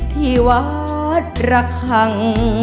ที่วัดระคัง